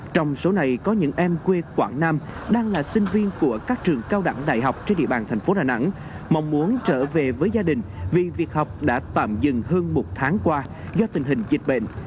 trong số này có những em quê quảng nam đang là sinh viên của các trường cao đẳng đại học trên địa bàn thành phố đà nẵng mong muốn trở về với gia đình vì việc học đã tạm dừng hơn một tháng qua do tình hình dịch bệnh